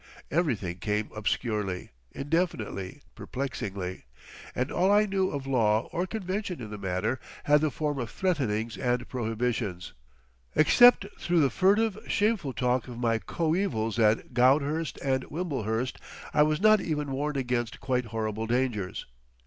Everything came obscurely, indefinitely, perplexingly; and all I knew of law or convention in the matter had the form of threatenings and prohibitions. Except through the furtive, shameful talk of my coevals at Goudhurst and Wimblehurst, I was not even warned against quite horrible dangers.